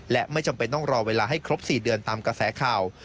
และไม่จำเป็นต้องรอเวลาให้ครบ๔เดือนตามกระแสข่าว